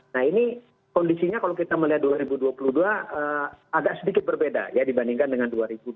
nah ini kondisinya kalau kita melihat dua ribu dua puluh dua agak sedikit berbeda ya dibandingkan dengan dua ribu dua puluh